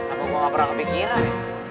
aku mau gak pernah kepikiran